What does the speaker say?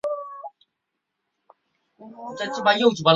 但是到时候你努力到死